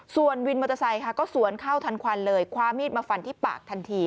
ส่วนวินมอเตอร์ไซค์ค่ะก็สวนเข้าทันควันเลยคว้ามีดมาฟันที่ปากทันที